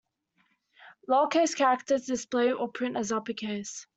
Lower case characters display or print as uppercase.